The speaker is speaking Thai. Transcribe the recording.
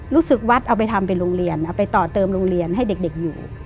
วัดเอาไปทำเป็นโรงเรียนเอาไปต่อเติมโรงเรียนให้เด็กอยู่